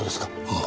ああ。